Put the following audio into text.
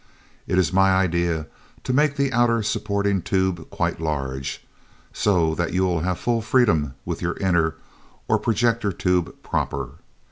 It is my idea to make the outer supporting tube quite large, so that you will have full freedom with your inner, or projector tube proper.